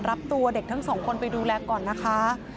รับตัวเด็กทั้งสองคนไปดูแลก่อนนะคะ